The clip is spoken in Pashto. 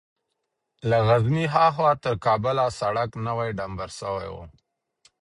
له غزني ها خوا تر کابله سړک نوى ډمبر سوى و.